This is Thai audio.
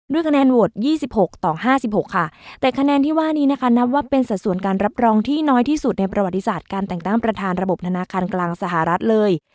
คะแนนโหวต๒๖ต่อ๕๖ค่ะแต่คะแนนที่ว่านี้นะคะนับว่าเป็นสัดส่วนการรับรองที่น้อยที่สุดในประวัติศาสตร์การแต่งตั้งประธานระบบธนาคารกลางสหรัฐเลย